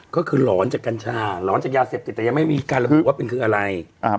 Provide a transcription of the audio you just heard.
ก็คือหลอนจากกัญชาหลอนจากยาเสพติดแต่ยังไม่มีการระบุว่าเป็นคืออะไร